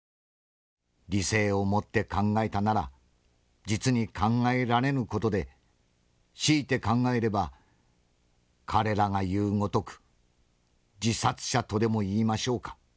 理性をもって考えたなら実に考えられぬ事で強いて考えれば彼らが言うごとく自殺者とでもいいましょうか。